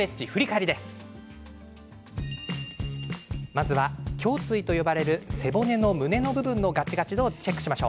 まずは胸椎と呼ばれる背骨の胸の部分のガチガチ度をチェック。